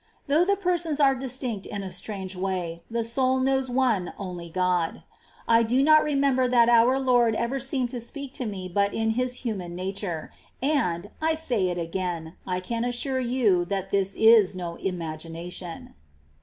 ^ Though the Persons are distinct in a strange way, the soul knows One only God. I do not remember that our Lord ever seemed to speak to me but in His Human Nature ; and — I say it again — I can assure you that this is no imagination.